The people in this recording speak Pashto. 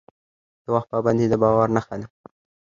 د وخت پابندي د باور نښه ده.